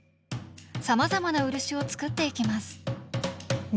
さまざまな漆を作っていきます。